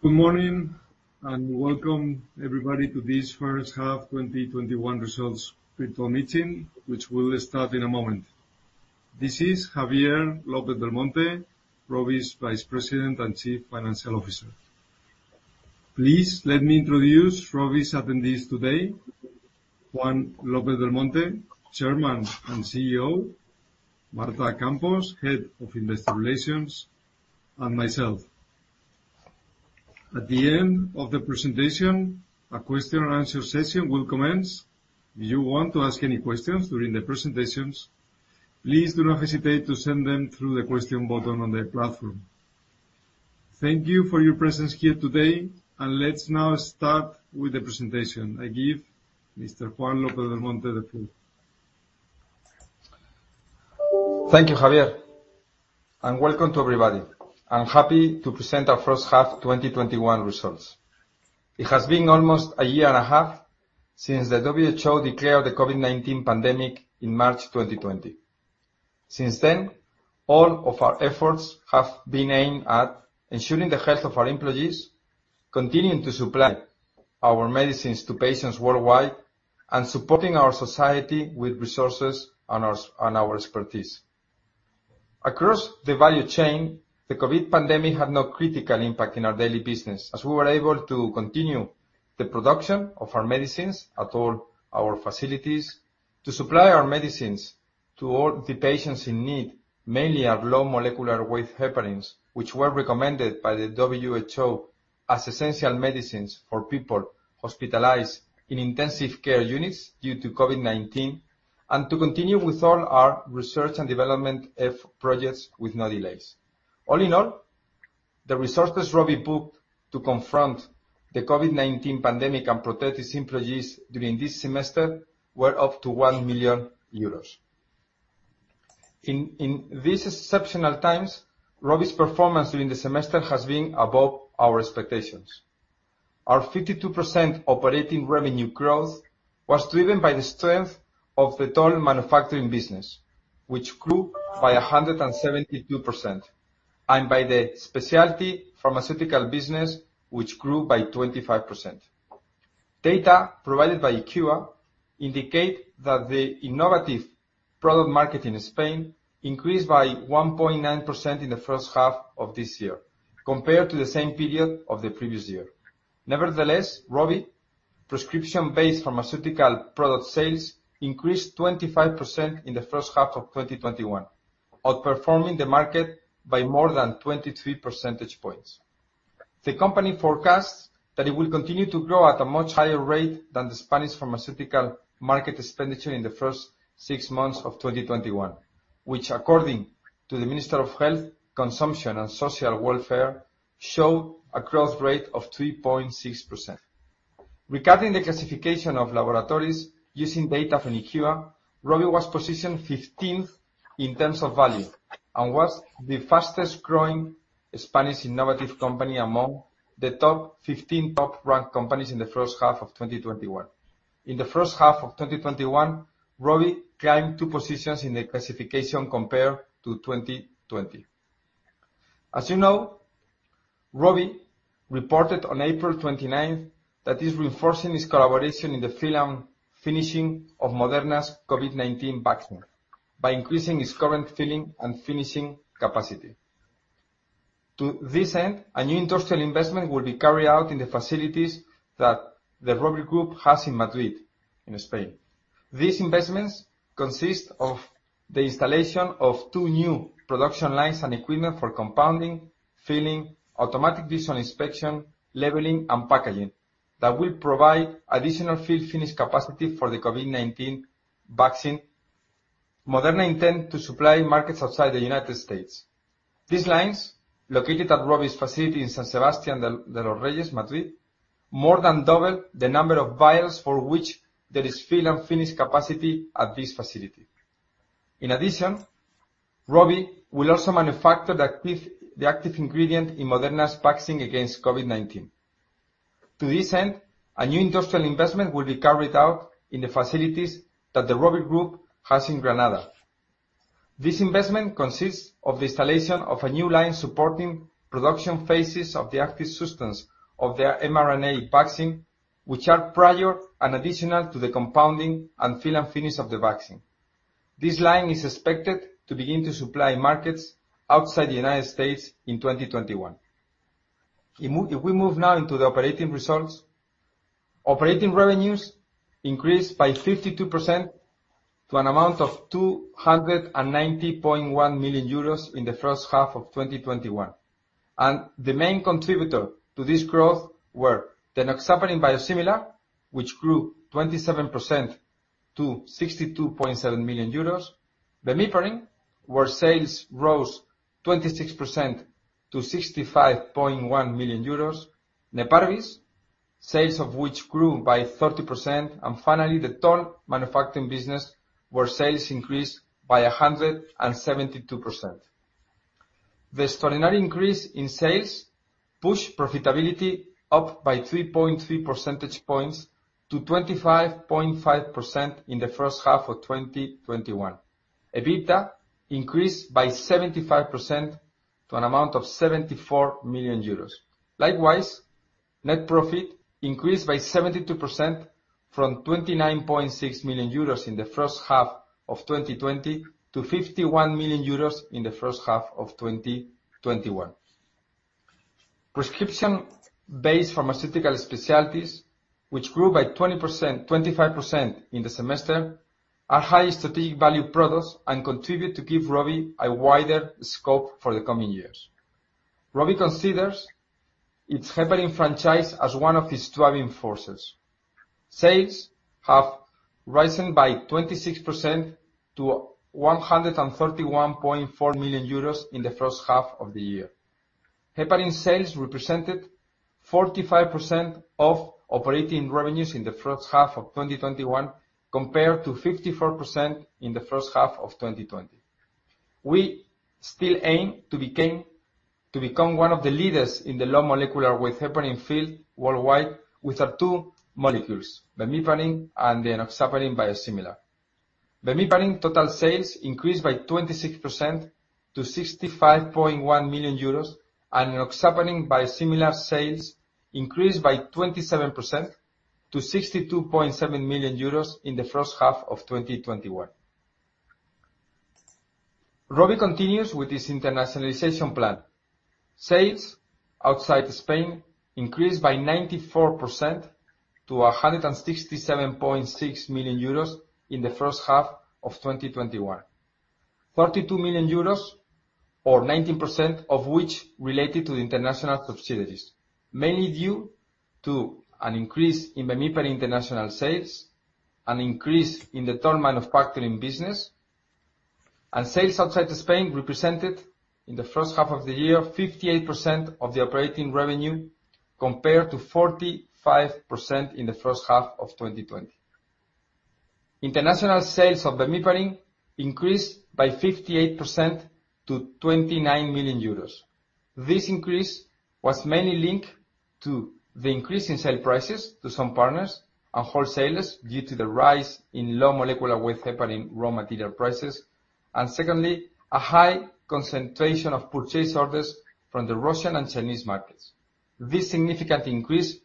Good morning, and welcome everybody to this first half 2021 results virtual meeting, which will start in a moment. This is Javier López-Belmonte, Rovi's Vice President and Chief Financial Officer. Please let me introduce Rovi's attendees today. Juan López-Belmonte, Chairman and CEO, Marta Campos Martínez, Head of Investor Relations, and myself. At the end of the presentation, a question-and-answer session will commence. If you want to ask any questions during the presentations, please do not hesitate to send them through the question button on the platform. Thank you for your presence here today. Let's now start with the presentation. I give Mr. Juan López-Belmonte Encina the floor. Thank you, Javier, and welcome to everybody. I'm happy to present our first half 2021 results. It has been almost a year and a half since the WHO declared the COVID-19 pandemic in March 2020. Since then, all of our efforts have been aimed at ensuring the health of our employees, continuing to supply our medicines to patients worldwide, and supporting our society with resources and our expertise. Across the value chain, the COVID pandemic had no critical impact in our daily business, as we were able to continue the production of our medicines at all our facilities to supply our medicines to all the patients in need. Mainly our low molecular weight heparins, which were recommended by the WHO as essential medicines for people hospitalized in intensive care units due to COVID-19, and to continue with all our research and development of projects with no delays. All in all, the resources Rovi booked to confront the COVID-19 pandemic and protect its employees during this semester were up to 1 million euros. In these exceptional times, Rovi's performance during the semester has been above our expectations. Our 52% operating revenue growth was driven by the strength of the toll manufacturing business, which grew by 172%, and by the specialty pharmaceutical business, which grew by 25%. Data provided by IQVIA indicate that the innovative product market in Spain increased by 1.9% in the first half of this year compared to the same period of the previous year. Nevertheless, Rovi prescription-based pharmaceutical product sales increased 25% in the first half of 2021, outperforming the market by more than 23 percentage points. The company forecasts that it will continue to grow at a much higher rate than the Spanish pharmaceutical market expenditure in the first six months of 2021, which according to the Minister of Health, Consumption, and Social Welfare, show a growth rate of 3.6%. Regarding the classification of laboratories using data from IQVIA, Rovi was positioned 15th in terms of value and was the fastest-growing Spanish innovative company among the top 15 top-ranked companies in the first half of 2021. In the first half of 2021, Rovi climbed two positions in the classification compared to 2020. As you know, Rovi reported on April 29th that it's reinforcing its collaboration in the fill and finishing of Moderna's COVID-19 vaccine by increasing its current fill and finishing capacity. To this end, a new industrial investment will be carried out in the facilities that the Rovi group has in Madrid, in Spain. These investments consist of the installation of two new production lines and equipment for compounding, filling, automatic visual inspection, labeling, and packaging that will provide additional fill-finish capacity for the COVID-19 vaccine. Moderna intends to supply markets outside the United States. These lines, located at Rovi's facility in San Sebastián de los Reyes, Madrid, more than double the number of vials for which there is fill and finish capacity at this facility. In addition, Rovi will also manufacture the active ingredient in Moderna's vaccine against COVID-19. To this end, a new industrial investment will be carried out in the facilities that the Rovi group has in Granada. This investment consists of the installation of a new line supporting production phases of the active substance of their mRNA vaccine, which are prior and additional to the compounding and fill and finish of the vaccine. This line is expected to begin to supply markets outside the U.S. in 2021. If we move now into the operating results. Operating revenues increased by 52% to an amount of 290.1 million euros in the first half of 2021. The main contributor to this growth were the enoxaparin biosimilar, which grew 27% to 62.7 million euros. bemiparin, where sales rose 26% to 65.1 million euros. Neparvis, sales of which grew by 30%. Finally, the toll manufacturing business, where sales increased by 172%. The extraordinary increase in sales pushed profitability up by 3.3 percentage points to 25.5% in the first half of 2021. EBITDA increased by 75% to an amount of 74 million euros. Likewise, net profit increased by 72%, from 29.6 million euros in the first half of 2020 to 51 million euros in the first half of 2021. Prescription-based pharmaceutical specialties, which grew by 25% in the semester, are high strategic value products and contribute to give Rovi a wider scope for the coming years. Rovi considers its heparin franchise as one of its driving forces. Sales have risen by 26% to 131.4 million euros in the first half of the year. heparin sales represented 45% of operating revenues in the first half of 2021, compared to 54% in the first half of 2020. We still aim to become one of the leaders in the low molecular weight heparin field worldwide with our two molecules, bemiparin and the enoxaparin biosimilar. bemiparin total sales increased by 26% to 65.1 million euros, and enoxaparin biosimilar sales increased by 27% to 62.7 million euros in the first half of 2021. Rovi continues with its internationalization plan. Sales outside Spain increased by 94% to 167.6 million euros in the first half of 2021, 32 million euros or 19% of which related to the international subsidiaries, mainly due to an increase in bemiparin international sales, an increase in the toll manufacturing partnering business. Sales outside Spain represented, in the first half of the year, 58% of the operating revenue, compared to 45% in the first half of 2020. International sales of bemiparin increased by 58% to 29 million euros. This increase was mainly linked to the increase in sale prices to some partners and wholesalers due to the rise in low molecular weight heparin raw material prices. Secondly, a high concentration of purchase orders from the Russian and Chinese markets. This significant increase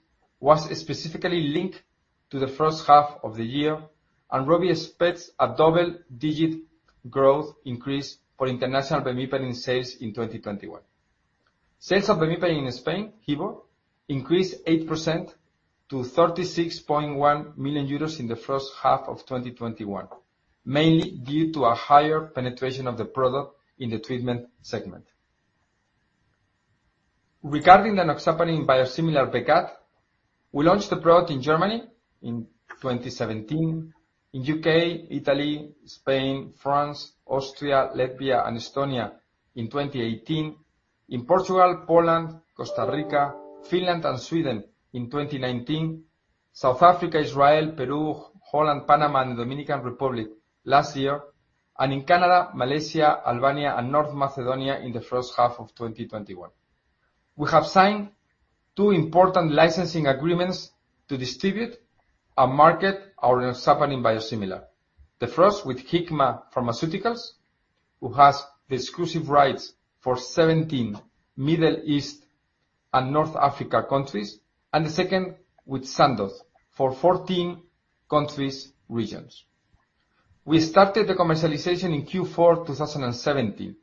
was specifically linked to the first half of the year, and Rovi expects a double-digit growth increase for international bemiparin sales in 2021. Sales of bemiparin in Spain, Hibor, increased 8% to 36.1 million euros in the first half of 2021, mainly due to a higher penetration of the product in the treatment segment. Regarding the enoxaparin biosimilar Becat, we launched the product in Germany in 2017. In U.K., Italy, Spain, France, Austria, Latvia, and Estonia in 2018. In Portugal, Poland, Costa Rica, Finland, and Sweden in 2019. South Africa, Israel, Peru, Holland, Panama, and Dominican Republic last year. In Canada, Malaysia, Albania, and North Macedonia in the first half of 2021. We have signed two important licensing agreements to distribute and market our enoxaparin biosimilar. The first with Hikma Pharmaceuticals, who has the exclusive rights for 17 Middle East and North Africa countries, and the second with Sandoz for 14 countries/regions. We started the commercialization in Q4 2017,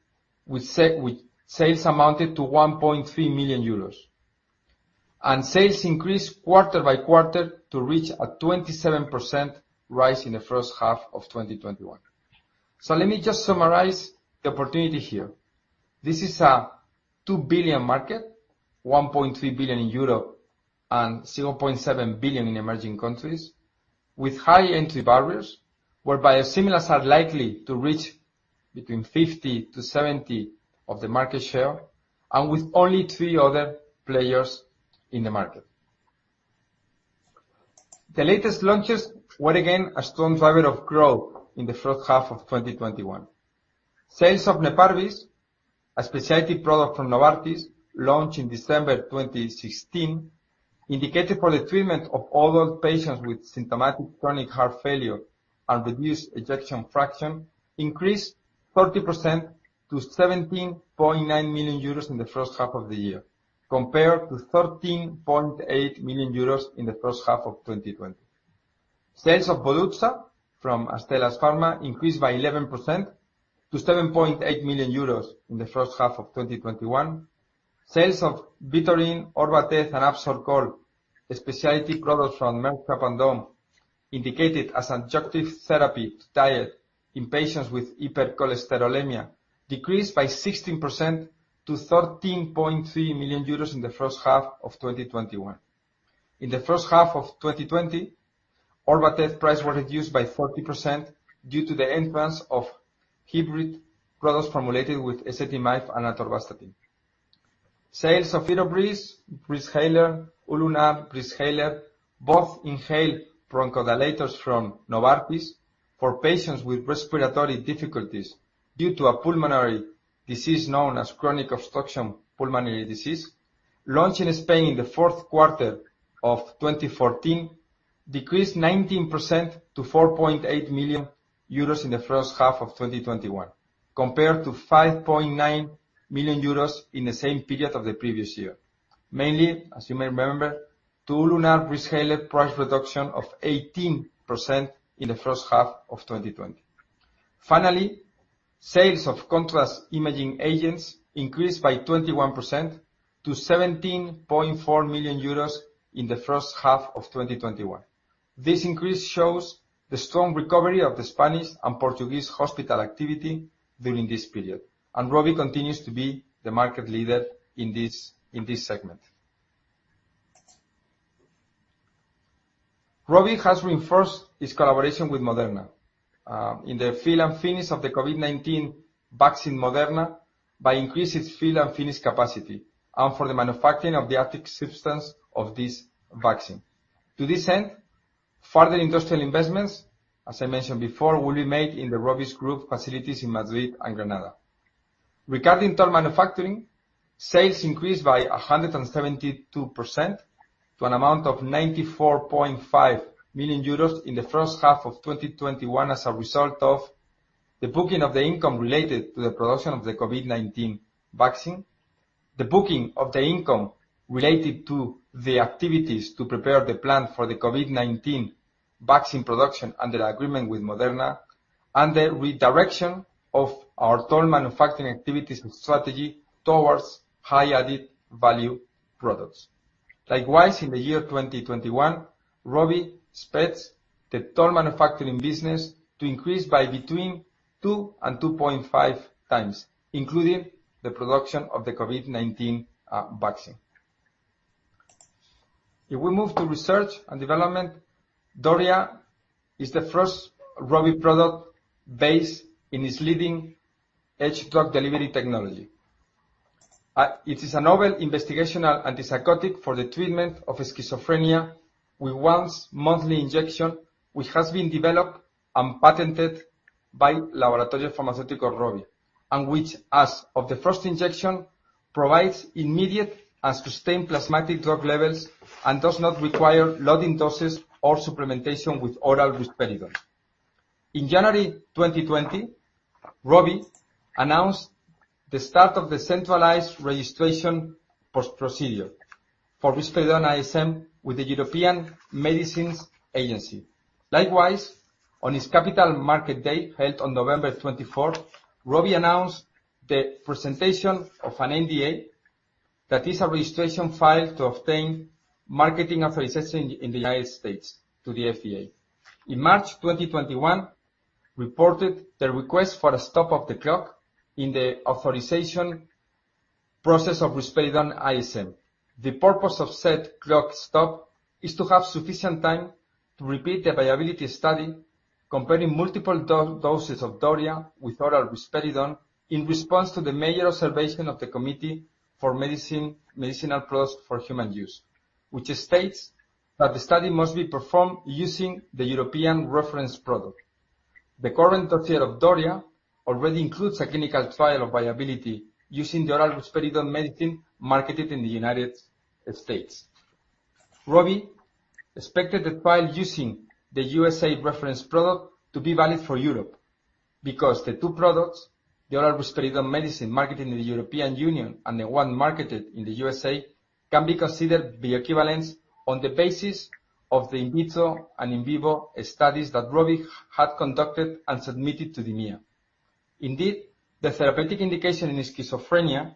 with sales amounted to 1.3 million euros. Sales increased quarter by quarter to reach a 27% rise in the first half of 2021. Let me just summarize the opportunity here. This is a 2 billion market, 1.3 billion in Europe and 0.7 billion in emerging countries, with high entry barriers, where biosimilars are likely to reach between 50%-70% of the market share, and with only three other players in the market. The latest launches were again a strong driver of growth in the first half of 2021. Sales of Neparvis, a specialty product from Novartis launched in December 2016, indicated for the treatment of older patients with symptomatic chronic heart failure and reduced ejection fraction, increased 30% to 17.9 million euros in the first half of the year, compared to 13.8 million euros in the first half of 2020. Sales of Volutsa from Astellas Pharma increased by 11% to 7.8 million euros in the first half of 2021. Sales of Vytorin, Orvatez, and Absorcol, specialty products from Merck Sharp & Dohme, indicated as adjunctive therapy to diet in patients with hypercholesterolemia, decreased by 16% to 13.3 million euros in the first half of 2021. In the first half of 2020, Orvatez' price were reduced by 40% due to the entrance of hybrid products formulated with ezetimibe and atorvastatin. Sales of Hirobriz Breezhaler, Ulunar Breezhaler, both inhaled bronchodilators from Novartis, for patients with respiratory difficulties due to a pulmonary disease known as chronic obstructive pulmonary disease, launched in Spain in the fourth quarter of 2014 decreased 19% to 4.8 million euros in the first half of 2021, compared to 5.9 million euros in the same period of the previous year. Mainly, as you may remember, to Ulunar rescaled price reduction of 18% in the first half of 2020. Sales of contrast imaging agents increased by 21% to 17.4 million euros in the first half of 2021. This increase shows the strong recovery of the Spanish and Portuguese hospital activity during this period, and Rovi continues to be the market leader in this segment. Rovi has reinforced its collaboration with Moderna, in the fill and finish of the COVID-19 vaccine Moderna by increasing its fill and finish capacity and for the manufacturing of the active substance of this vaccine. To this end, further industrial investments, as I mentioned before, will be made in the Rovi's Group facilities in Madrid and Granada. Regarding toll manufacturing, sales increased by 172% to an amount of 94.5 million euros in the first half of 2021 as a result of the booking of the income related to the production of the COVID-19 vaccine, the booking of the income related to the activities to prepare the plant for the COVID-19 vaccine production under the agreement with Moderna, and the redirection of our toll manufacturing activities and strategy towards high added-value products. In the year 2021, Rovi expects the toll manufacturing business to increase by between 2x and 2.5x, including the production of the COVID-19 vaccine. If we move to research and development, Doria is the first Rovi product based on its leading ISM drug delivery technology. It is a novel investigational antipsychotic for the treatment of schizophrenia with once monthly injection, which has been developed and patented by Laboratorios Farmaceuticos Rovi. Which, as of the first injection, provides immediate and sustained plasmatic drug levels and does not require loading doses or supplementation with oral risperidone. In January 2020, Rovi announced the start of the centralized registration procedure for risperidone ISM with the European Medicines Agency. Likewise, on its Capital Markets Day held on November 24th, Rovi announced the presentation of an NDA that is a registration file to obtain marketing authorization in the U.S. to the FDA. In March 2021, reported the request for a stop-the-clock in the authorization process of risperidone ISM. The purpose of said clock-stop is to have sufficient time to repeat the bioavailability study comparing multiple doses of Doria with oral risperidone in response to the measures of evaluation of the Committee for Medicinal Products for Human Use, which states that the study must be performed using the European reference product. The current dossier of Doria already includes a clinical trial of viability using the oral risperidone marketed in the United States. Rovi expected the trial using the U.S.A. reference product to be valid for Europe because the two products, the oral risperidone marketed in the European Union and the one marketed in the U.S.A. can be considered bioequivalent on the basis of the in vitro and in vivo studies that Rovi had conducted and submitted to the EMA. Indeed, the therapeutic indication in schizophrenia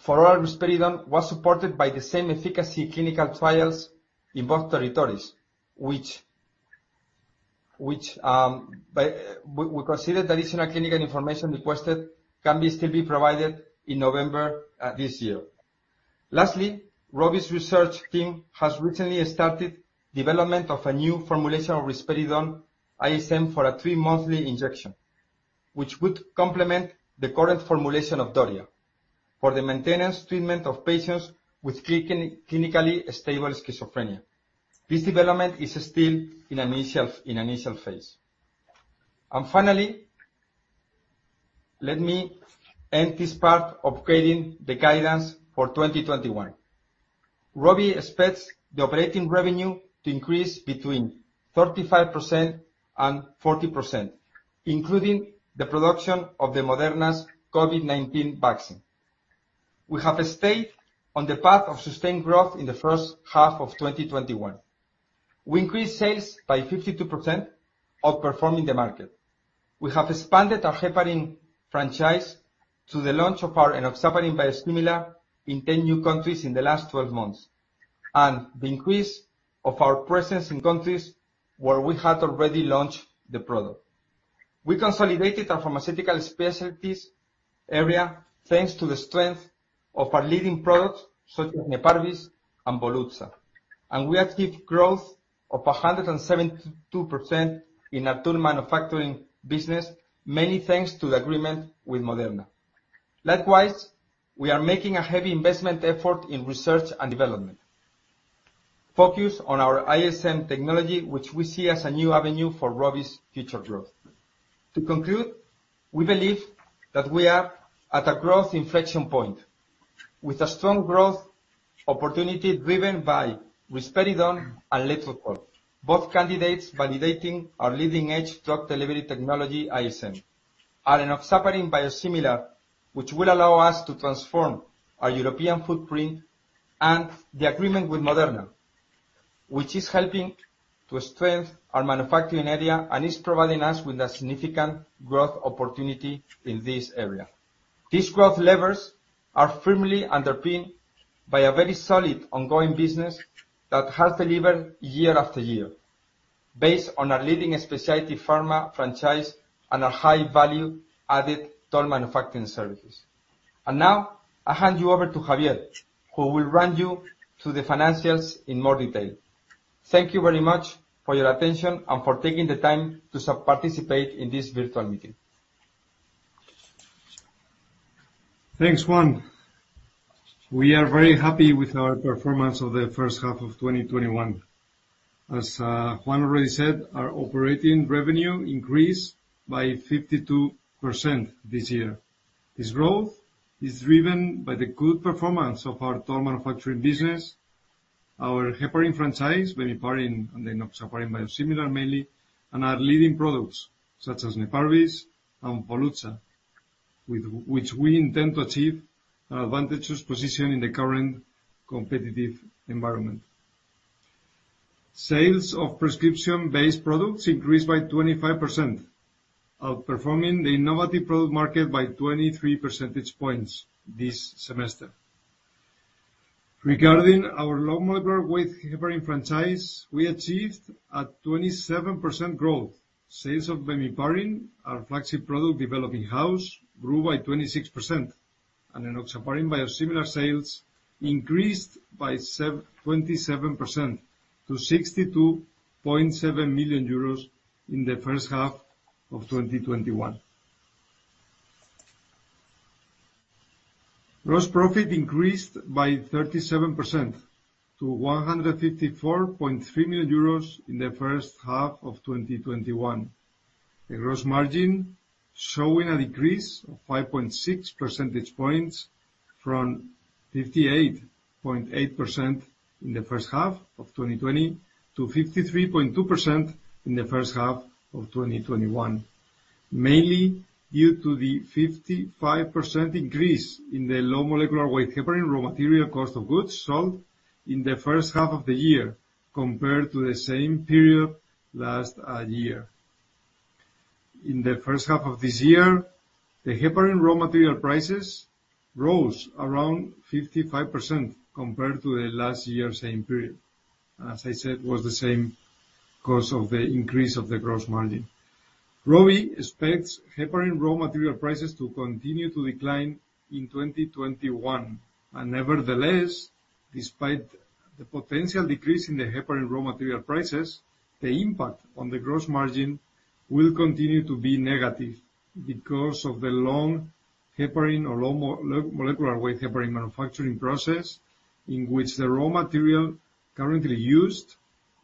for oral risperidone was supported by the same efficacy clinical trials in both territories, which we consider the additional clinical information requested can still be provided in November this year. Lastly, Rovi's research team has recently started development of a new formulation of risperidone ISM for a three-monthly injection, which would complement the current formulation of Doria for the maintenance treatment of patients with clinically stable schizophrenia. This development is still in initial phase. Finally, let me end this part of creating the guidance for 2021. Rovi expects the operating revenue to increase between 35% and 40%, including the production of the Moderna's COVID-19 vaccine. We have stayed on the path of sustained growth in the first half of 2021. We increased sales by 52% outperforming the market. We have expanded our heparin franchise to the launch of our enoxaparin biosimilar in 10 new countries in the last 12 months, and the increase of our presence in countries where we had already launched the product. We consolidated our pharmaceutical specialties area, thanks to the strength of our leading products such as Neparvis and Volutsa, and we achieve growth of 172% in our toll manufacturing business, mainly thanks to the agreement with Moderna. Likewise, we are making a heavy investment effort in research and development. Focus on our ISM technology, which we see as a new avenue for Rovi's future growth. To conclude, we believe that we are at a growth inflection point with a strong growth opportunity driven by risperidone and letrozole, both candidates validating our leading-edge drug delivery technology, ISM. Our enoxaparin biosimilar, which will allow us to transform our European footprint, and the agreement with Moderna, which is helping to strengthen our manufacturing area and is providing us with a significant growth opportunity in this area. These growth levers are firmly underpinned by a very solid ongoing business that has delivered year-after-year based on our leading specialty pharma franchise and our high value-added toll manufacturing services. Now I hand you over to Javier, who will run you through the financials in more detail. Thank you very much for your attention and for taking the time to participate in this virtual meeting. Thanks, Juan. We are very happy with our performance of the first half of 2021. As Juan already said, our operating revenue increased by 52% this year. This growth is driven by the good performance of our toll manufacturing business, our heparin franchise, bemiparin and enoxaparin biosimilar mainly, and our leading products such as Neparvis and Volutsa, with which we intend to achieve an advantageous position in the current competitive environment. Sales of prescription-based products increased by 25%, outperforming the innovative product market by 23 percentage points this semester. Regarding our low molecular weight heparin franchise, we achieved a 27% growth. Sales of bemiparin, our flagship product developed in-house, grew by 26%, and enoxaparin biosimilar sales increased by 27% to 62.7 million euros in the first half of 2021. Gross profit increased by 37% to 154.3 million euros in the first half of 2021. The gross margin showing a decrease of 5.6 percentage points from 58.8% in the first half of 2020 to 53.2% in the first half of 2021, mainly due to the 55% increase in the low molecular weight heparin raw material cost of goods sold in the first half of the year compared to the same period last year. In the first half of this year, the heparin raw material prices rose around 55% compared to last year's same period. As I said, it was the same cause of the increase of the gross margin. Rovi expects heparin raw material prices to continue to decline in 2021. Nevertheless, despite the potential decrease in the heparin raw material prices, the impact on the gross margin will continue to be negative because of the long heparin or low molecular weight heparin manufacturing process in which the raw material currently used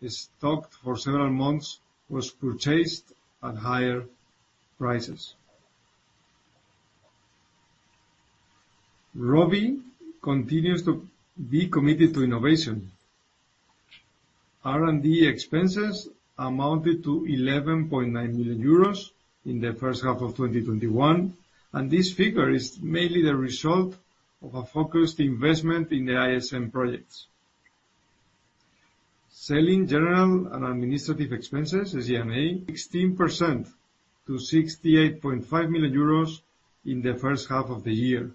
is stocked for several months, was purchased at higher prices. Rovi continues to be committed to innovation. R&D expenses amounted to 11.9 million euros in the first half of 2021. This figure is mainly the result of a focused investment in the ISM projects. Selling, general, and administrative expenses, SG&A, 16% to 68.5 million euros in the first half of the year,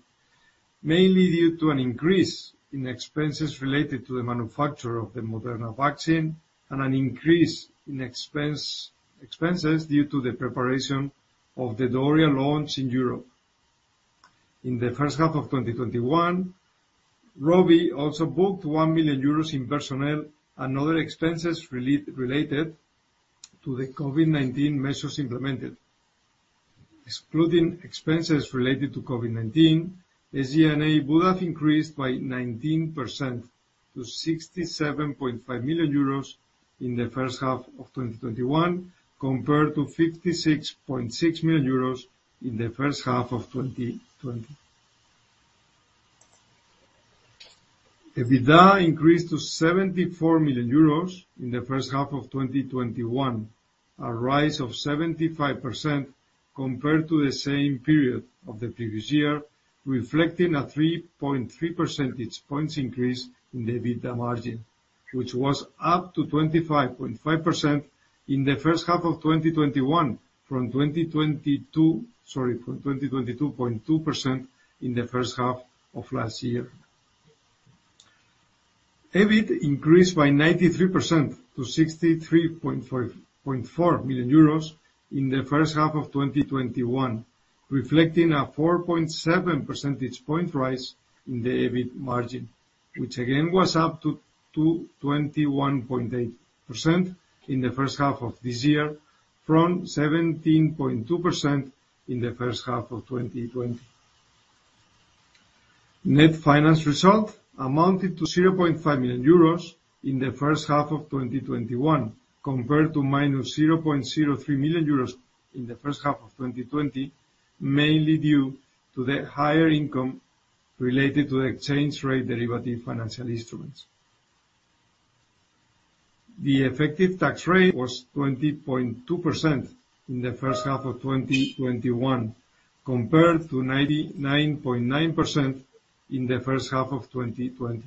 mainly due to an increase in expenses related to the manufacture of the Moderna vaccine and an increase in expenses due to the preparation of the Doria launch in Europe. In the first half of 2021, Rovi also booked 1 million euros in personnel and other expenses related to the COVID-19 measures implemented. Excluding expenses related to COVID-19, SG&A would have increased by 19% to 67.5 million euros in the first half of 2021, compared to 56.6 million euros in the first half of 2020. EBITDA increased to 74 million euros in the first half of 2021, a rise of 75% compared to the same period of the previous year, reflecting a 3.3 percentage points increase in the EBITDA margin, which was up to 25.5% in the first half of 2021 from 22.2% in the first half of last year. EBIT increased by 93% to 63.4 million euros in the first half of 2021, reflecting a 4.7 percentage point rise in the EBIT margin, which again was up to 21.8% in the first half of this year from 17.2% in the first half of 2020. Net finance result amounted to 0.5 million euros in the first half of 2021, compared to -0.03 million euros in the first half of 2020, mainly due to the higher income related to exchange rate derivative financial instruments. The effective tax rate was 20.2% in the first half of 2021, compared to 99.9% in the first half of 2020,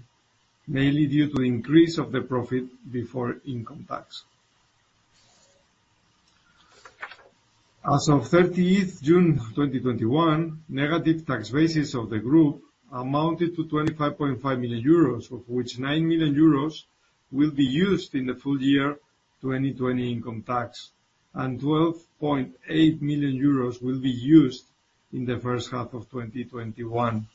mainly due to increase of the profit before income tax. As of 30th June 2021, negative tax bases of the group amounted to 25.5 million euros, of which 9 million euros will be used in the full year 2020 income tax, and 12.8 million euros will be used in the first half of 2021.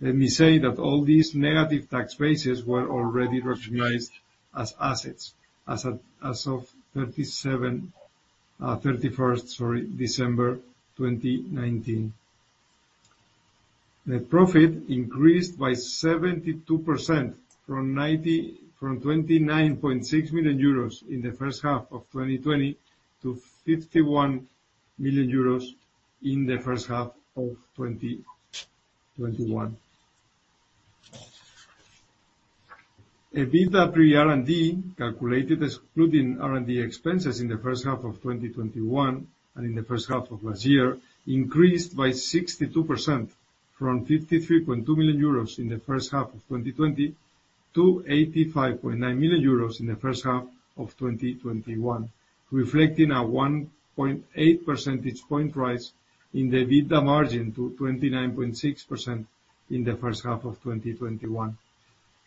Let me say that all these negative tax bases were already recognized as assets as of 31st December 2019. Net profit increased by 72%, from 29.6 million euros in the first half of 2020 to 51 million euros in the first half of 2021. EBITDA pre-R&D, calculated excluding R&D expenses in the first half of 2021 and in the first half of last year, increased by 62%, from 53.2 million euros in the first half of 2020 to 85.9 million euros in the first half of 2021, reflecting a 1.8 percentage point rise in the EBITDA margin to 29.6% in the first half of 2021.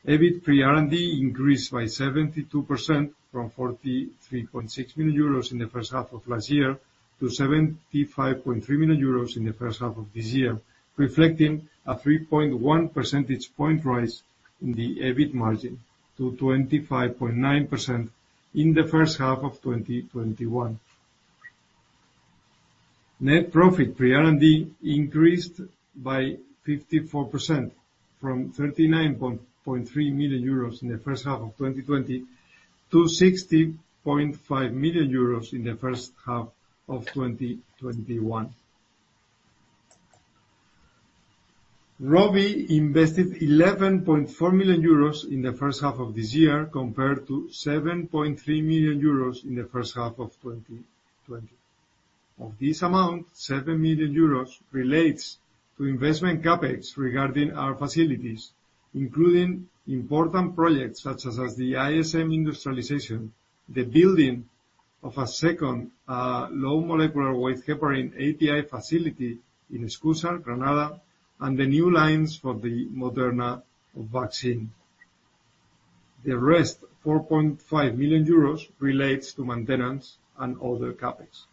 EBIT pre-R&D increased by 72%, from 43.6 million euros in the first half of last year to 75.3 million euros in the first half of this year, reflecting a 3.1 percentage point rise in the EBIT margin to 25.9% in the first half of 2021. Net profit pre-R&D increased by 54%, from 39.3 million euros in the first half of 2020 to 60.5 million euros in the first half of 2021. Rovi invested 11.4 million euros in the first half of this year compared to 7.3 million euros in the first half of 2020. Of this amount, 7 million euros relates to investment CapEx regarding our facilities, including important projects such as the ISM industrialization, the building of a second low molecular weight heparin API facility in Escúzar, Granada, and the new lines for the Moderna vaccine. The rest, 4.5 million euros, relates to maintenance and other CapEx.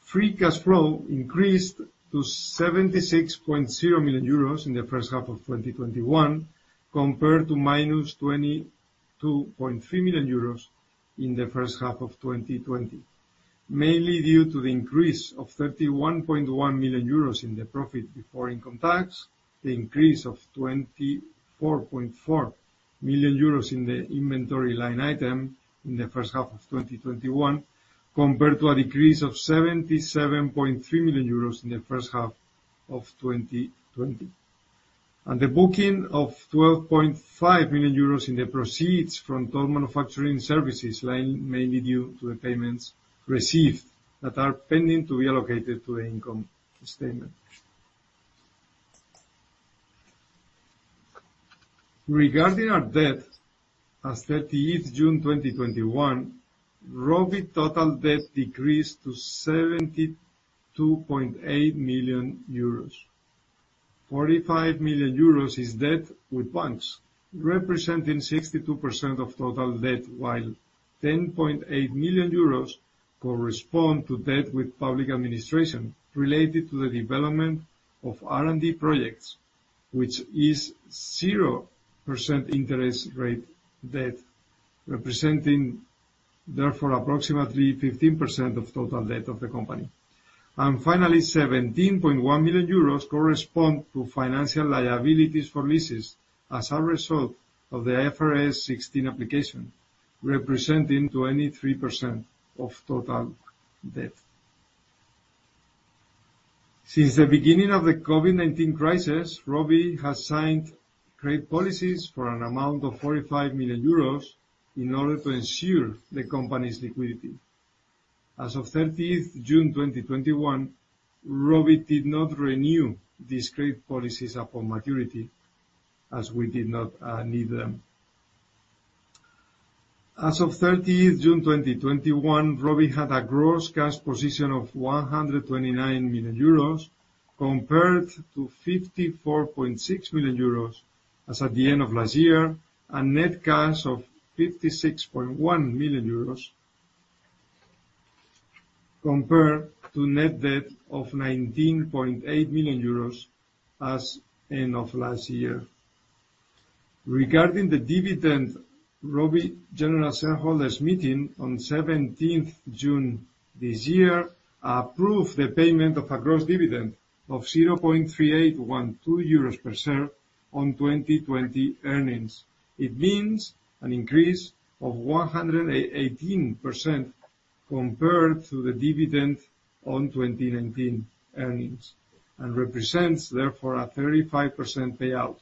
Free cash flow increased to 76.0 million euros in the first half of 2021, compared to minus 22.3 million euros in the first half of 2020, mainly due to the increase of 31.1 million euros in the profit before income tax, the increase of 24.4 million euros in the inventory line item in the first half of 2021, compared to a decrease of 77.3 million euros in the first half of 2020, and the booking of 12.5 million euros in the proceeds from toll manufacturing services line, mainly due to the payments received that are pending to be allocated to the income statement. Regarding our debt, as 30th June 2021, Rovi total debt decreased to 72.8 million euros. 45 million euros is debt with banks, representing 62% of total debt, while 10.8 million euros correspond to debt with public administration related to the development of R&D projects, which is 0% interest rate debt, representing therefore approximately 15% of total debt of the company. Finally, 17.1 million euros correspond to financial liabilities for leases as a result of the IFRS 16 application, representing 23% of total debt. Since the beginning of the COVID-19 crisis, Rovi has signed credit policies for an amount of 45 million euros in order to ensure the company's liquidity. As of 30th June 2021, Rovi did not renew these credit policies upon maturity, as we did not need them. As of 30th June 2021, Rovi had a gross cash position of 129 million euros, compared to 54.6 million euros as at the end of last year, and net cash of 56.1 million euros, compared to net debt of 19.8 million euros as end of last year. Regarding the dividend, Rovi general shareholders meeting on 17th June this year approved the payment of a gross dividend of 0.3812 euros per share on 2020 earnings. It means an increase of 118% compared to the dividend on 2019 earnings, and represents therefore a 35% payout.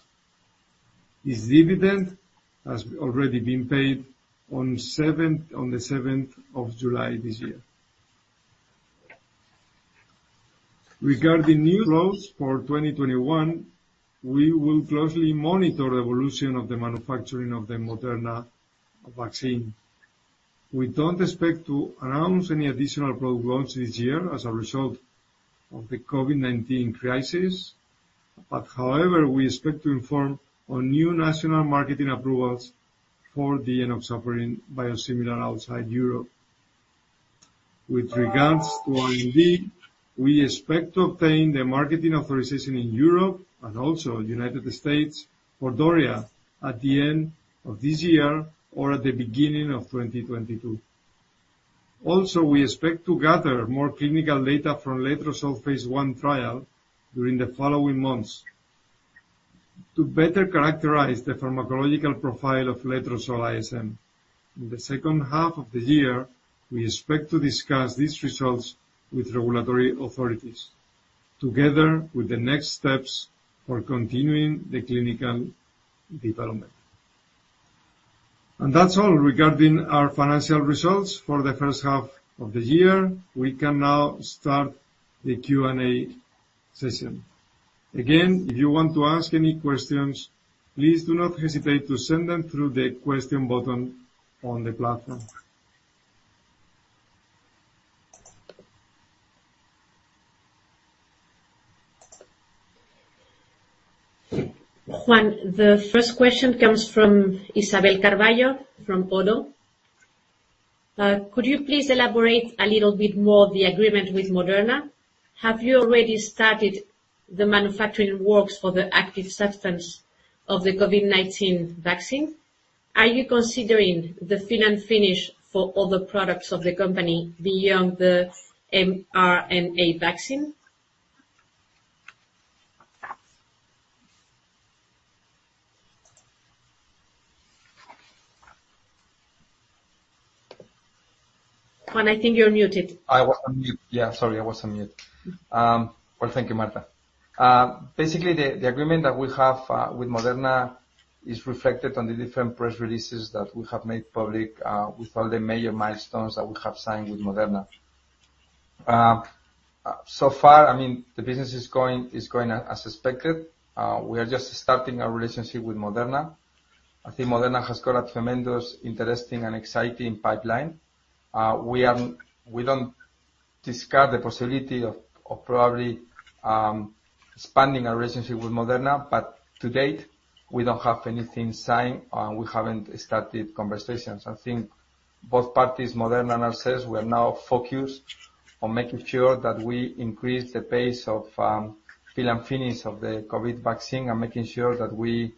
This dividend has already been paid on the 7th of July this year. Regarding new growth for 2021, we will closely monitor evolution of the manufacturing of the Moderna vaccine. We don't expect to announce any additional growth this year as a result of the COVID-19 crisis. However, we expect to inform on new national marketing approvals for the enoxaparin biosimilar outside Europe. With regards to R&D, we expect to obtain the marketing authorization in Europe and also U.S. for Doria at the end of this year or at the beginning of 2022. We expect to gather more clinical data from letrozole phase I trial during the following months. To better characterize the pharmacological profile of letrozole ISM. In the second half of the year, we expect to discuss these results with regulatory authorities, together with the next steps for continuing the clinical development. That's all regarding our financial results for the first half of the year. We can now start the Q&A session. If you want to ask any questions, please do not hesitate to send them through the Question button on the platform. Juan, the first question comes from Isabel Carvalho from Polo. Could you please elaborate a little bit more the agreement with Moderna? Have you already started the manufacturing works for the active substance of the COVID-19 vaccine? Are you considering the fill and finish for other products of the company beyond the mRNA vaccine? Juan, I think you're muted. I was on mute. Yeah, sorry. I was on mute. Thank you, Marta. Basically, the agreement that we have with Moderna is reflected on the different press releases that we have made public, with all the major milestones that we have signed with Moderna. So far, the business is going as expected. We are just starting our relationship with Moderna. I think Moderna has got a tremendous, interesting, and exciting pipeline. We don't discard the possibility of probably expanding our relationship with Moderna. To date, we don't have anything signed, and we haven't started conversations. I think both parties, Moderna and ourselves, we are now focused on making sure that we increase the pace of fill and finish of the COVID vaccine and making sure that we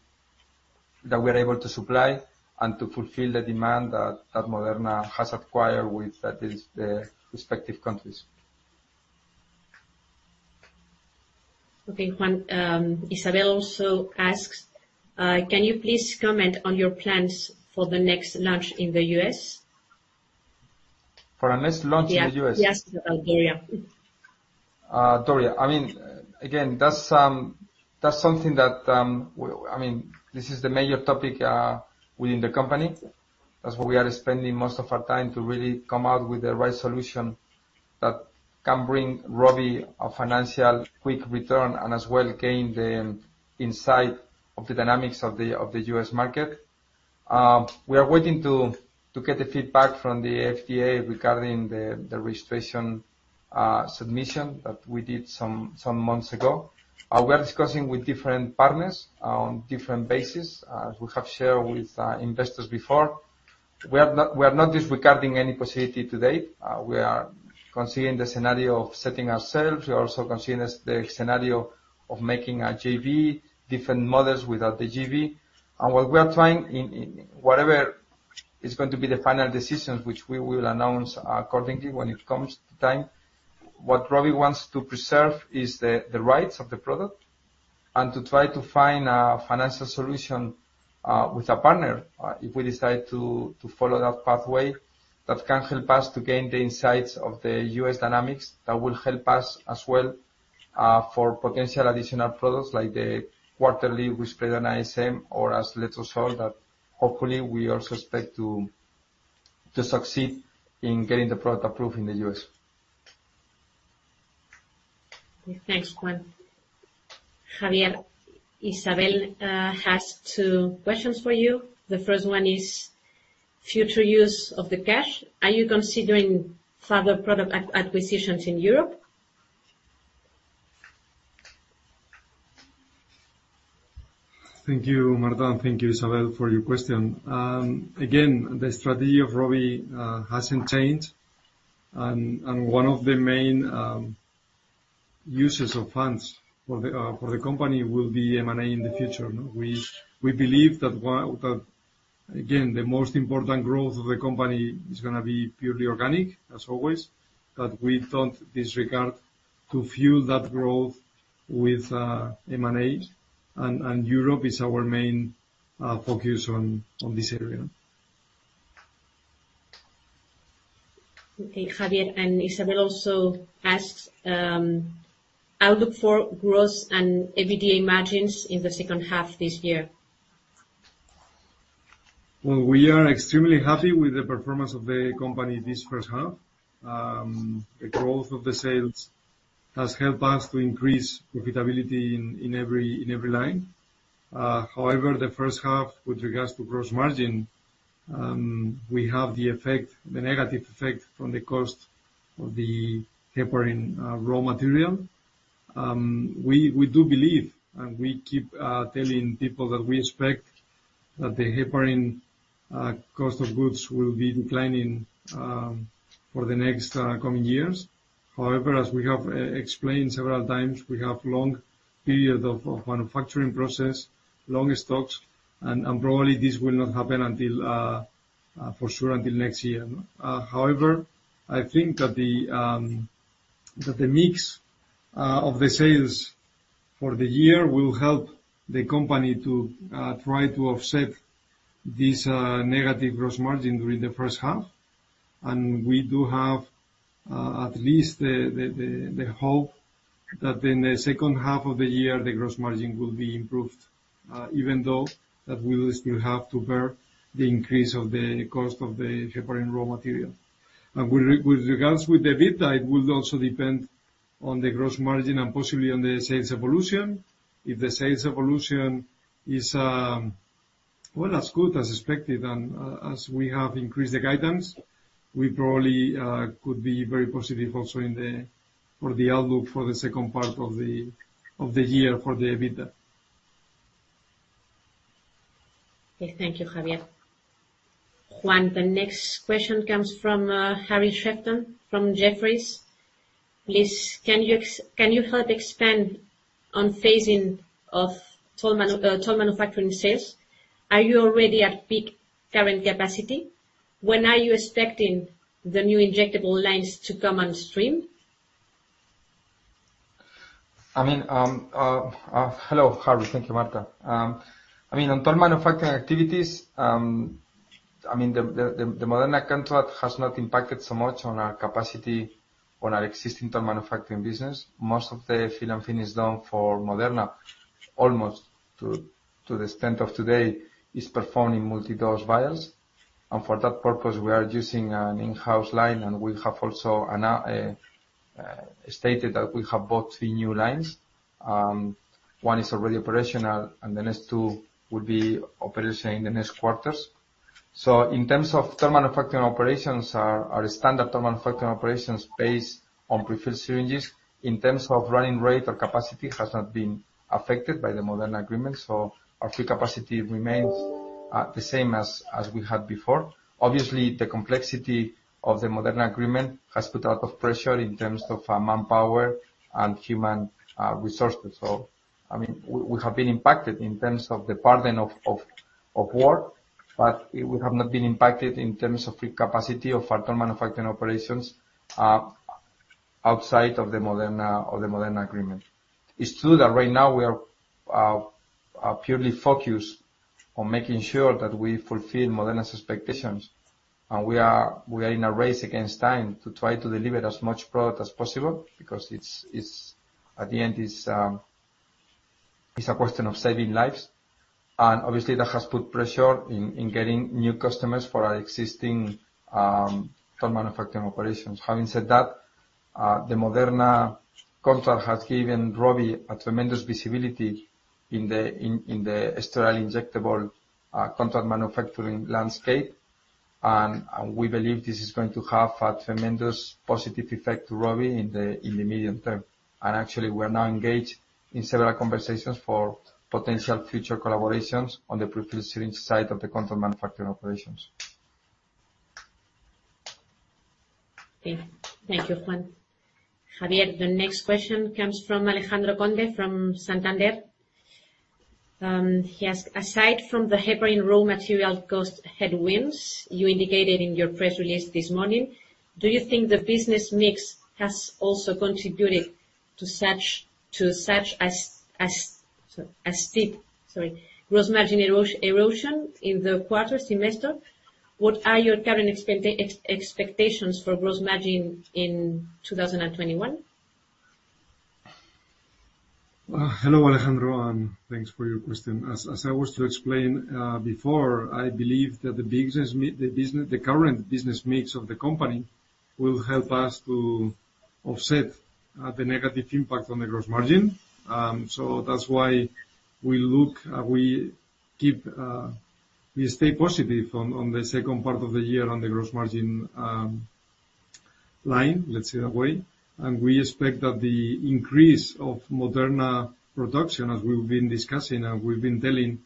are able to supply and to fulfill the demand that Moderna has acquired with the respective countries. Okay, Juan. Isabel also asks, "Can you please comment on your plans for the next launch in the U.S.? For our next launch in the U.S.? Yes, Doria. Doria. Again, this is the major topic within the company. That's why we are spending most of our time to really come out with the right solution that can bring Rovi a financial quick return and as well gain the insight of the dynamics of the U.S. market. We are waiting to get the feedback from the FDA regarding the registration submission that we did some months ago. We are discussing with different partners on different bases, as we have shared with investors before. We are not disregarding any possibility to date. We are considering the scenario of setting ourselves. We are also considering the scenario of making a JV, different models without the JV. Whatever is going to be the final decisions, which we will announce accordingly when it comes to time. What Rovi wants to preserve is the rights of the product, to try to find a financial solution with a partner, if we decide to follow that pathway, that can help us to gain the insights of the U.S. dynamics that will help us as well, for potential additional products like the quarterly risperidone ISM or as letrozole, that hopefully we also expect to succeed in getting the product approved in the U.S. Okay, thanks, Juan. Javier, Isabel has two questions for you. The first one is future use of the cash. Are you considering further product acquisitions in Europe? Thank you, Marta, and thank you, Isabel, for your question. Again, the strategy of Rovi hasn't changed. One of the main uses of funds for the company will be M&A in the future. We believe that, again, the most important growth of the company is going to be purely organic, as always, but we don't disregard to fuel that growth with M&As, and Europe is our main focus on this area. Okay, Javier. Isabel also asks, "Outlook for growth and EBITDA margins in the second half this year." Well, we are extremely happy with the performance of the company this first half. The growth of the sales has helped us to increase profitability in every line. However, the first half with regards to gross margin, we have the negative effect from the cost of the heparin raw material. We do believe, and we keep telling people that we expect that the heparin cost of goods will be declining for the next coming years. However, as we have explained several times, we have long period of manufacturing process, long stocks, and probably this will not happen for sure until next year. However, I think that the mix of the sales for the year will help the company to try to offset this negative gross margin during the first half. We do have at least the hope that in the second half of the year, the gross margin will be improved, even though that we will still have to bear the increase of the cost of the heparin raw material. With regards to the EBITDA, it will also depend on the gross margin and possibly on the sales evolution. If the sales evolution is as good as expected, and as we have increased the guidance, we probably could be very positive also for the outlook for the second part of the year for the EBITDA. Okay. Thank you, Javier. Juan, the next question comes from Harry Sephton from Jefferies. "Can you help expand on phasing of toll manufacturing sales? Are you already at peak current capacity? When are you expecting the new injectable lines to come on stream?" Hello, Harry. Thank you, Marta. On toll manufacturing activities, the Moderna contract has not impacted so much on our capacity on our existing toll manufacturing business. Most of the fill and finish done for Moderna, almost to the extent of today, is performed in multi-dose vials. For that purpose, we are using an in-house line, and we have also stated that we have bought three new lines. One is already operational, and the next two will be operational in the next quarters. In terms of toll manufacturing operations, our standard toll manufacturing operations based on prefilled syringes, in terms of running rate or capacity, has not been affected by the Moderna agreement. Our free capacity remains the same as we had before. Obviously, the complexity of the Moderna agreement has put a lot of pressure in terms of manpower and human resources. We have been impacted in terms of the burden of work, but we have not been impacted in terms of free capacity of our toll manufacturing operations outside of the Moderna agreement. It's true that right now we are purely focused on making sure that we fulfill Moderna's expectations, and we are in a race against time to try to deliver as much product as possible because at the end it's a question of saving lives. Obviously that has put pressure in getting new customers for our existing toll manufacturing operations. Having said that, the Moderna contract has given Rovi a tremendous visibility in the sterile injectable contract manufacturing landscape. We believe this is going to have a tremendous positive effect to Rovi in the medium term. Actually, we are now engaged in several conversations for potential future collaborations on the prefilled syringe side of the contract manufacturing operations. Okay. Thank you, Juan. Javier, the next question comes from Alejandro Conde from Santander. He asks, "Aside from the heparin raw material cost headwinds you indicated in your press release this morning, do you think the business mix has also contributed to such a steep, sorry, gross margin erosion in the quarter semester? What are your current expectations for gross margin in 2021?" Hello, Alejandro, and thanks for your question. As I was to explain before, I believe that the current business mix of the company will help us to offset the negative impact on the gross margin. That's why we stay positive on the second part of the year on the gross margin line, let's say that way. We expect that the increase of Moderna production, as we've been discussing and we've been telling,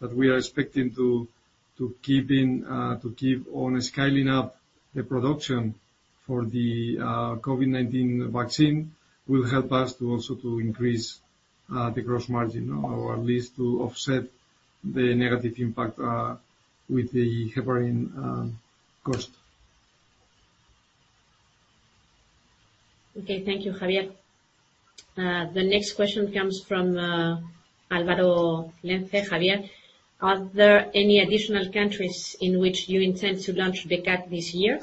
that we are expecting to keep on scaling up the production for the COVID-19 vaccine will help us to also increase the gross margin, or at least to offset the negative impact with the heparin cost. Okay. Thank you, Javier. The next question comes from Álvaro Lenze. "Javier, are there any additional countries in which you intend to launch Becat this year?"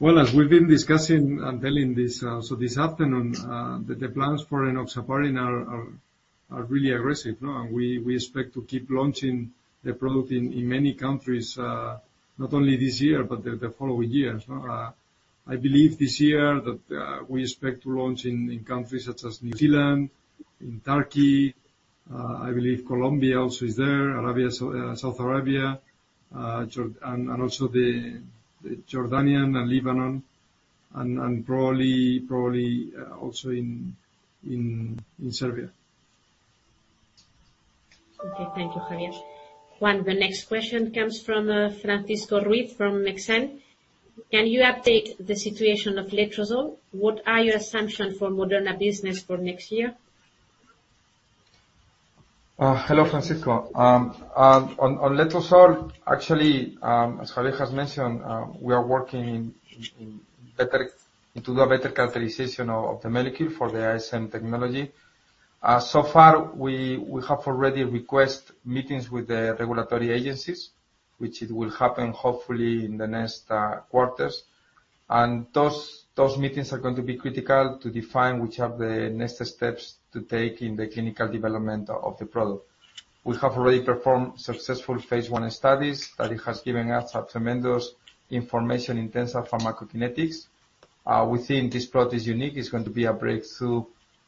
Well, as we've been discussing and telling this afternoon, the plans for enoxaparin are really aggressive. We expect to keep launching the product in many countries, not only this year but the following years. I believe this year that we expect to launch in countries such as New Zealand, in Turkey. I believe Colombia also is there, Saudi Arabia, and also Jordan and Lebanon and probably also in Serbia. Okay. Thank you, Javier. Juan, the next question comes from Francisco Ruiz from Exane. "Can you update the situation of letrozole? What are your assumptions for Moderna business for next year?" Hello, Francisco. On letrozole, actually, as Javier has mentioned, we are working to do a better characterization of the molecule for the ISM technology. Far, we have already request meetings with the regulatory agencies, which it will happen hopefully in the next quarters. Those meetings are going to be critical to define which are the next steps to take in the clinical development of the product. We have already performed successful phase I studies. Study has given us a tremendous information in terms of pharmacokinetics. We think this product is unique. It's going to be a breakthrough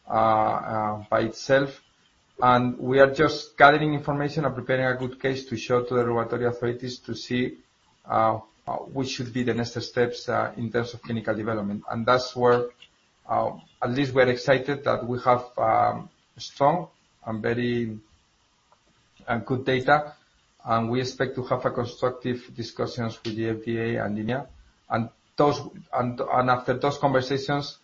by itself. We are just gathering information and preparing a good case to show to the regulatory authorities to see what should be the next steps in terms of clinical development. That's where, at least we are excited that we have strong and good data, we expect to have constructive discussions with the FDA and EMA. After those conversations,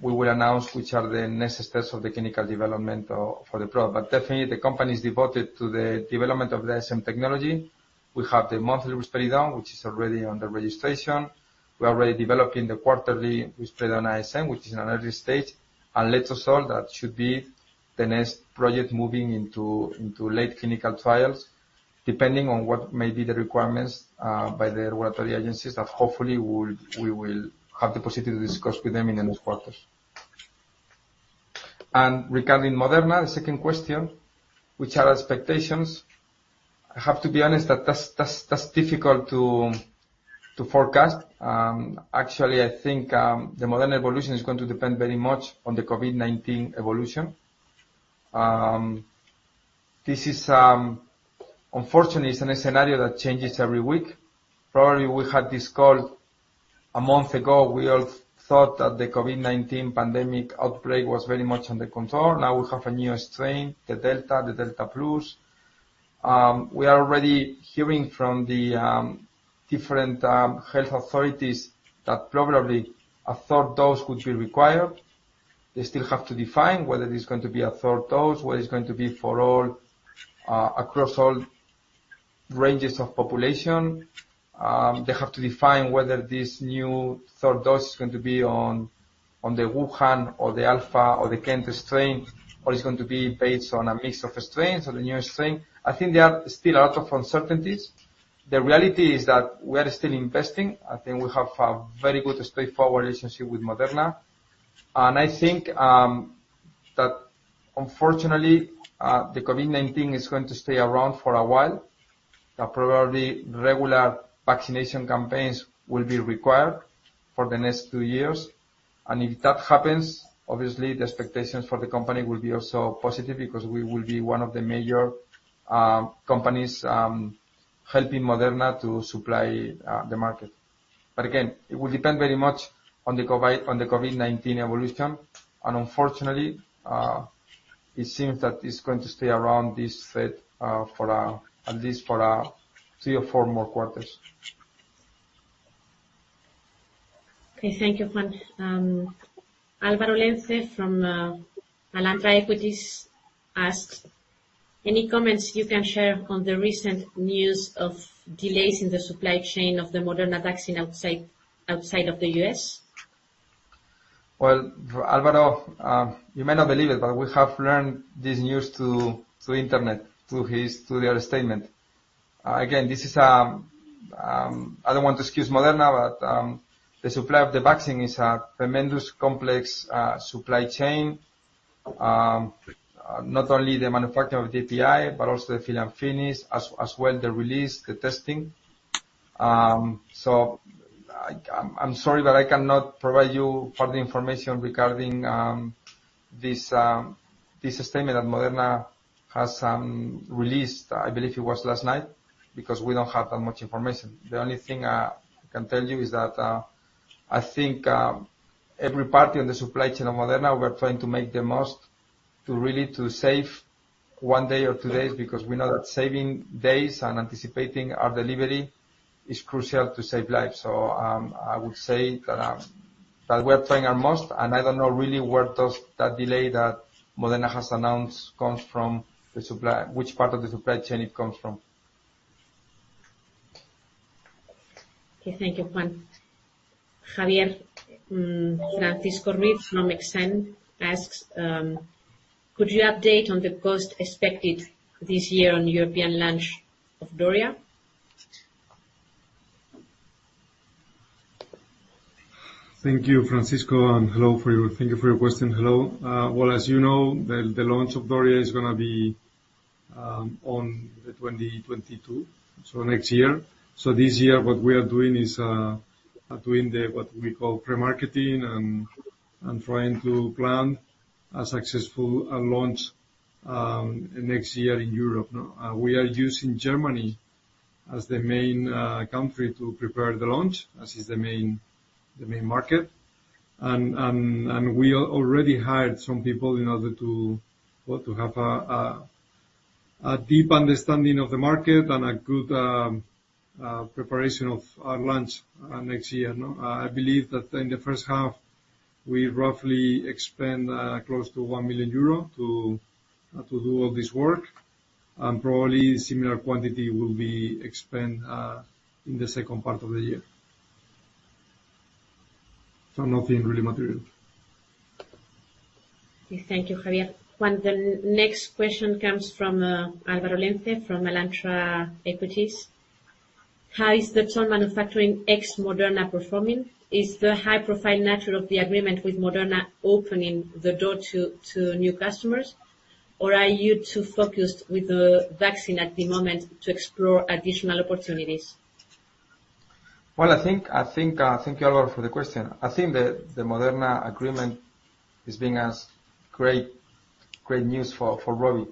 we will announce which are the next steps of the clinical development for the product. Definitely the company is devoted to the development of the ISM technology. We have the monthly risperidone ISM, which is already under registration. We are already developing the quarterly risperidone ISM, which is in an early stage, and letrozole that should be the next project moving into late clinical trials, depending on what may be the requirements by the regulatory agencies that hopefully we will have positive discussions with them in the next quarters. Regarding Moderna, the second question, which are expectations. I have to be honest that that's difficult to forecast. Actually, I think, the Moderna evolution is going to depend very much on the COVID-19 evolution. Unfortunately, it's in a scenario that changes every week. Probably we had this call a month ago. We all thought that the COVID-19 pandemic outbreak was very much under control. Now we have a new strain, the Delta, the Delta Plus. We are already hearing from the different health authorities that probably a third dose could be required. They still have to define whether it's going to be a third dose, whether it's going to be across all ranges of population. They have to define whether this new third dose is going to be on the Wuhan or the Alpha or the Kent strain, or it's going to be based on a mix of strains or the new strain. I think there are still a lot of uncertainties. The reality is that we are still investing. I think we have a very good straightforward relationship with Moderna, and I think that unfortunately, the COVID-19 is going to stay around for a while. That probably regular vaccination campaigns will be required for the next two years. If that happens, obviously the expectations for the company will be also positive because we will be one of the major companies helping Moderna to supply the market. Again, it will depend very much on the COVID-19 evolution, and unfortunately, it seems that it's going to stay around this threat at least for three or four more quarters. Okay. Thank you, Juan. Álvaro Lenze from Alantra Equities asks, "Any comments you can share on the recent news of delays in the supply chain of the Moderna vaccine outside of the U.S.?" Well, Álvaro, you may not believe it, we have learned this news through Internet, through their statement. Again, I don't want to excuse Moderna, the supply of the vaccine is a tremendous complex supply chain. Not only the manufacturing of the API, but also the fill and finish as well, the release, the testing. I'm sorry, but I cannot provide you further information regarding this statement that Moderna has released, I believe it was last night, because we don't have that much information. The only thing I can tell you is that every party on the supply chain of Moderna, we're trying to make the most to really to save one day or two days, because we know that saving days and anticipating our delivery is crucial to save lives. I would say that, we are trying our most, and I don't know really where does that delay that Moderna has announced comes from the supply, which part of the supply chain it comes from. Okay. Thank you, Juan. Javier, Francisco Ruiz from Exane asks, "Could you update on the cost expected this year on European launch of Doria?" Thank you, Francisco, and hello. Thank you for your question. Hello. Well, as you know, the launch of Okedi is going to be on 2022, so next year. This year, what we are doing is, doing the, what we call pre-marketing and trying to plan a successful launch next year in Europe. We are using Germany as the main country to prepare the launch. As is the main market. We already hired some people in order to have a deep understanding of the market and a good preparation of our launch next year. I believe that in the first half, I roughly expend close to 1 million euro to do all this work, and probably similar quantity will be spent in the second part of the year. Nothing really material. Okay. Thank you, Javier. Juan, the next question comes from Álvaro Lenze from Alantra Equities. "How is the contract manufacturing ex Moderna performing? Is the high-profile nature of the agreement with Moderna opening the door to new customers, or are you too focused with the vaccine at the moment to explore additional opportunities?" Thank you, Álvaro, for the question. I think the Moderna agreement is being as great news for Rovi,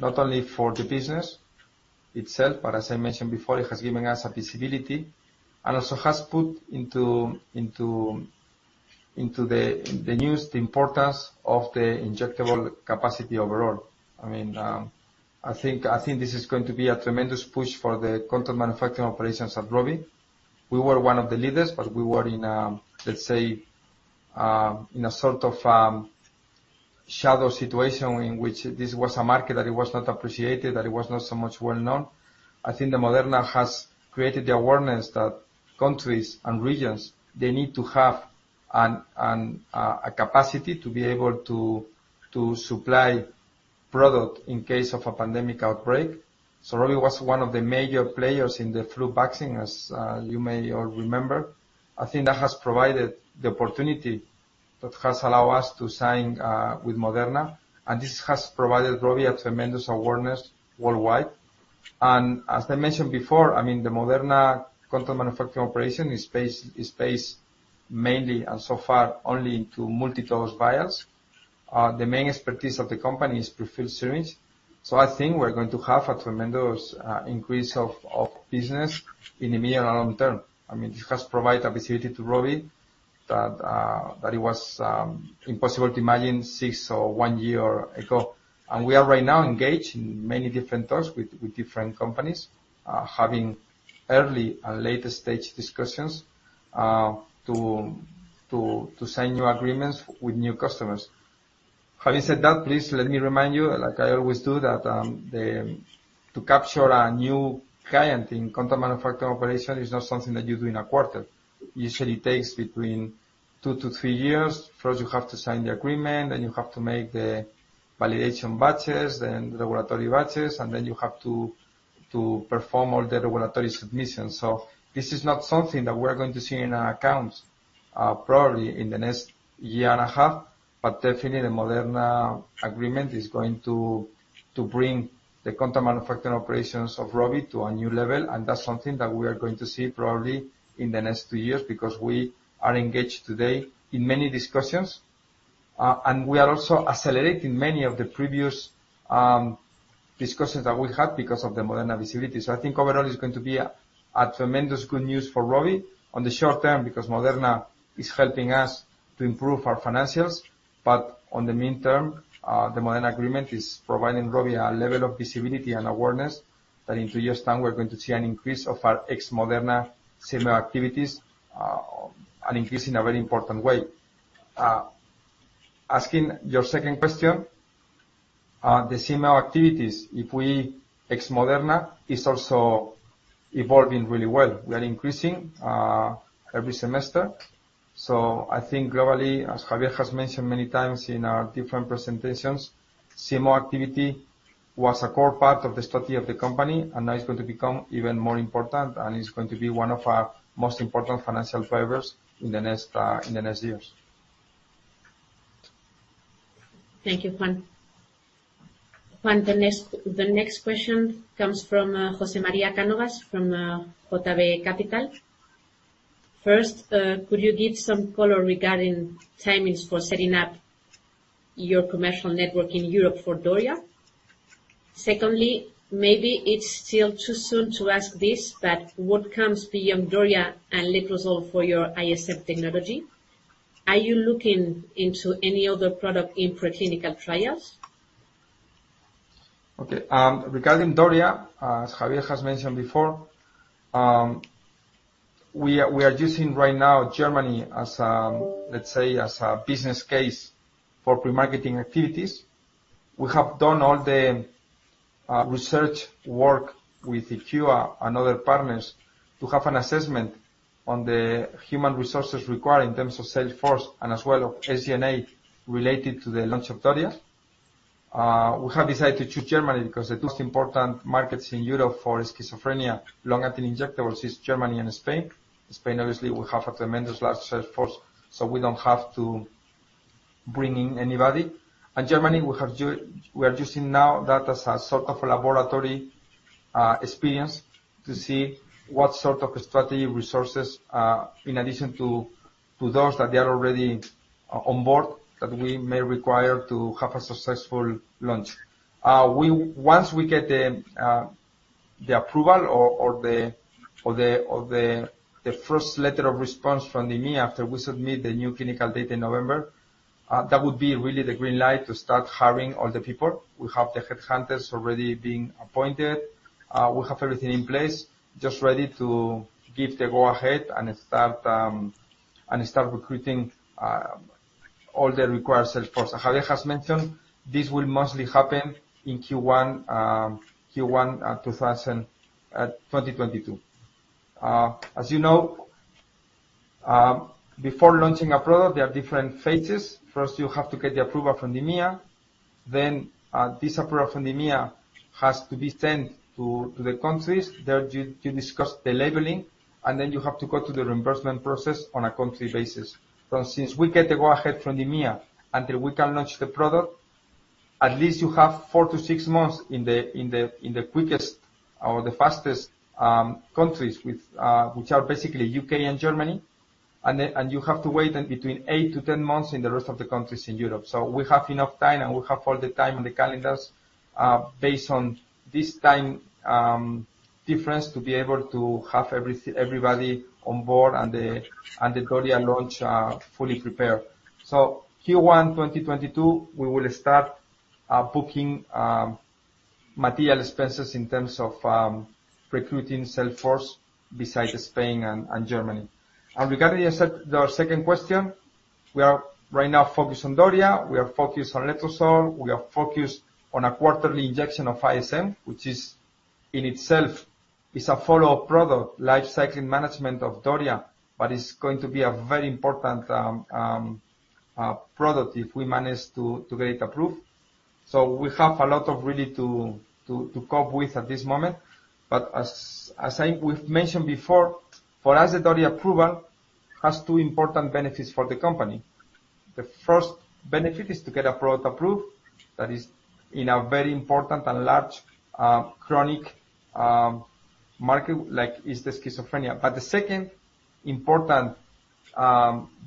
not only for the business itself, but as I mentioned before, it has given us a visibility and also has put into the news the importance of the injectable capacity overall. I think this is going to be a tremendous push for the contract manufacturing operations at Rovi. We were one of the leaders, but we were in, let's say, in a sort of shadow situation in which this was a market that it was not appreciated, that it was not so much well-known. I think the Moderna has created the awareness that countries and regions, they need to have a capacity to be able to supply product in case of a pandemic outbreak. Rovi was one of the major players in the flu vaccine, as you may all remember. I think that has provided the opportunity that has allowed us to sign with Moderna, this has provided Rovi a tremendous awareness worldwide. As I mentioned before, the Moderna contract manufacturing operation is based mainly and so far only to multi-dose vials. The main expertise of the company is prefilled syringe. I think we're going to have a tremendous increase of business in the medium and long term. This has provided a visibility to Rovi that it was impossible to imagine six or one year ago. We are right now engaged in many different talks with different companies, having early and later stage discussions, to sign new agreements with new customers. Having said that, please let me remind you, like I always do, that to capture a new client in contract manufacturing operation is not something that you do in a quarter. Usually, it takes between two to three years. First, you have to sign the agreement, then you have to make the validation batches, then regulatory batches, and then you have to perform all the regulatory submissions. This is not something that we're going to see in our accounts, probably in the next year and a half. Definitely, the Moderna agreement is going to bring the contract manufacturing operations of Rovi to a new level, and that's something that we are going to see probably in the next two years, because we are engaged today in many discussions. We are also accelerating many of the previous discussions that we had because of the Moderna visibility. I think overall, it's going to be a tremendous good news for Rovi on the short term because Moderna is helping us to improve our financials. On the midterm, the Moderna agreement is providing Rovi a level of visibility and awareness that in two years' time, we're going to see an increase of our ex Moderna CMO activities, an increase in a very important way. Asking your second question, the CMO activities, if we ex Moderna, is also evolving really well. We are increasing every semester. I think globally, as Javier has mentioned many times in our different presentations, CMO activity was a core part of the strategy of the company, and now it's going to become even more important, and it's going to be one of our most important financial drivers in the next years. Thank you, Juan. Juan, the next question comes from José María Cánovas from JB Capital. "First, could you give some color regarding timings for setting up your commercial network in Europe for Doria? Secondly, maybe it's still too soon to ask this, but what comes beyond Doria and letrozole for your ISM technology? Are you looking into any other product in preclinical trials?" Okay. Regarding Doria, as Javier has mentioned before, we are using right now Germany, let's say, as a business case for pre-marketing activities. We have done all the research work with IQVIA and other partners to have an assessment on the human resources required in terms of sales force and as well of A&MA related to the launch of Doria. We have decided to choose Germany because the two most important markets in Europe for schizophrenia long-acting injectables is Germany and Spain. Spain, obviously, we have a tremendous large sales force, so we don't have to bring in anybody. Germany, we are using now that as a sort of a laboratory experience to see what sort of strategy resources, in addition to those that are already on board, that we may require to have a successful launch. Once we get the approval or the first letter of response from the EMEA after we submit the new clinical data in November, that would be really the green light to start hiring all the people. We have the headhunters already being appointed. We have everything in place, just ready to give the go-ahead and start recruiting all the required sales force. As Javier has mentioned, this will mostly happen in Q1 2022. As you know, before launching a product, there are different phases. First, you have to get the approval from the EMEA. This approval from the EMEA has to be sent to the countries. There, you discuss the labeling, and then you have to go to the reimbursement process on a country basis. From since we get the go-ahead from the EMEA, until we can launch the product, at least you have four to six months in the quickest or the fastest countries, which are basically U.K. and Germany. You have to wait between 8-10 months in the rest of the countries in Europe. We have enough time, and we have all the time on the calendars, based on this time difference, to be able to have everybody on board and the Doria launch fully prepared. Q1 2022, we will start booking material expenses in terms of recruiting sales force besides Spain and Germany. Regarding your second question, we are right now focused on Doria. We are focused on letrozole. We are focused on a quarterly injection of ISM, which in itself is a follow-up product, life cycle management of Doria. It's going to be a very important product if we manage to get it approved. We have a lot of really to cope with at this moment. As we've mentioned before, for us, the Doria approval has two important benefits for the company. The first benefit is to get a product approved that is in a very important and large chronic market, like is the schizophrenia. The second important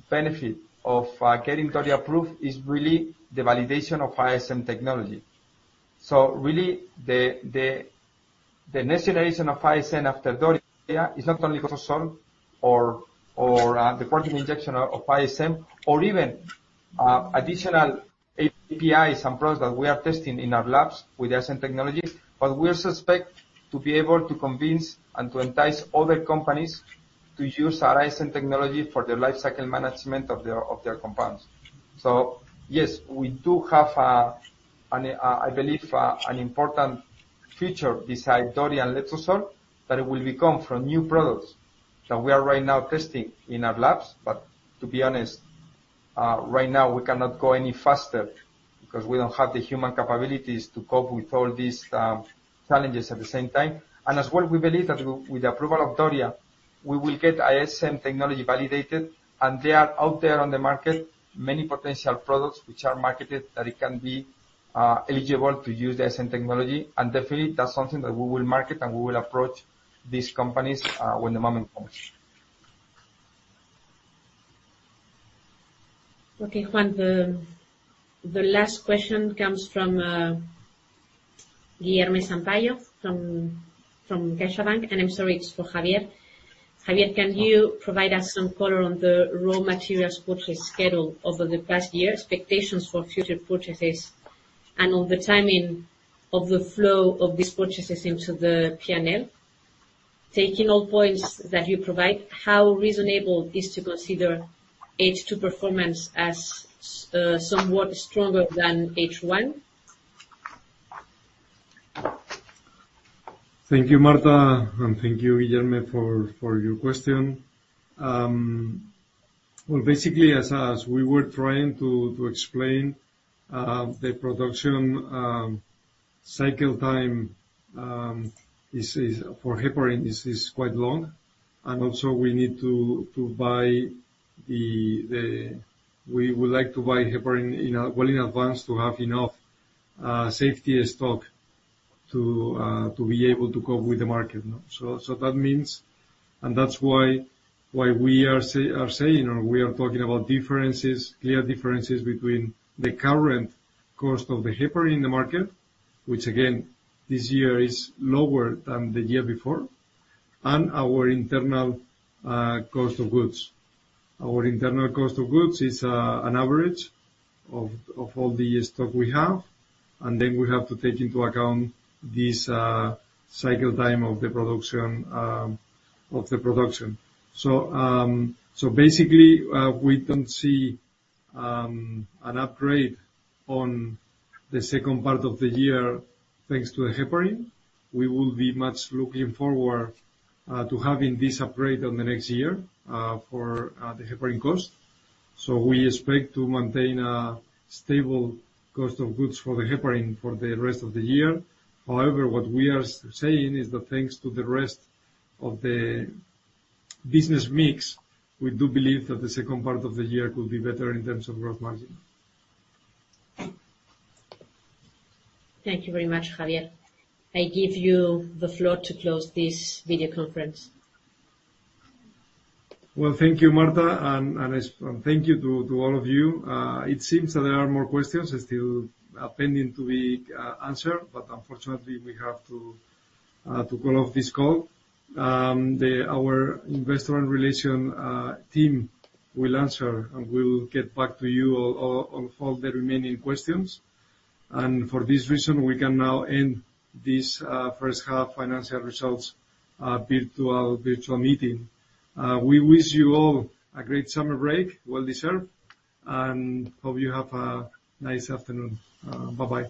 benefit of getting Doria approved is really the validation of ISM technology. Really, the next generation of ISM after Doria is not only letrozole or the quarterly injection of ISM or even additional APIs and products that we are testing in our labs with ISM technologies, but we suspect to be able to convince and to entice other companies to use our ISM technology for the life cycle management of their compounds. Yes, we do have, I believe, an important future beside Doria and letrozole that it will become from new products that we are right now testing in our labs. To be honest, right now we cannot go any faster because we don't have the human capabilities to cope with all these challenges at the same time. As well, we believe that with the approval of Doria, we will get ISM technology validated, and they are out there on the market, many potential products which are marketed that it can be eligible to use the ISM technology. Definitely, that's something that we will market, and we will approach these companies when the moment comes. Okay, Juan. The last question comes from Guilherme Sampaio from CaixaBank. I'm sorry, it's for Javier. "Javier, can you provide us some color on the raw materials purchase schedule over the past year, expectations for future purchases, and on the timing of the flow of these purchases into the P&L? Taking all points that you provide, how reasonable is to consider H2 performance as somewhat stronger than H1?" Thank you, Marta, and thank you, Guilherme, for your question. Well, basically, as we were trying to explain, the production cycle time for heparin is quite long. Also, we would like to buy heparin well in advance to have enough safety stock to be able to cope with the market. That means, and that's why we are saying or we are talking about clear differences between the current cost of the heparin in the market, which again, this year is lower than the year before, and our internal cost of goods. Our internal cost of goods is an average of all the stock we have, and then we have to take into account this cycle time of the production. Basically, we don't see an upgrade on the second part of the year, thanks to the heparin. We will be much looking forward to having this upgrade on the next year for the heparin cost. We expect to maintain a stable cost of goods for the heparin for the rest of the year. However, what we are saying is that thanks to the rest of the business mix, we do believe that the second part of the year could be better in terms of gross margin. Thank you very much, Javier. I give you the floor to close this video conference. Well, thank you, Marta, and thank you to all of you. It seems that there are more questions still pending to be answered, but unfortunately, we have to close this call. Our investor relations team will answer, and we will get back to you on all the remaining questions. For this reason, we can now end this first half financial results virtual meeting. We wish you all a great summer break, well deserved, and hope you have a nice afternoon. Bye-bye.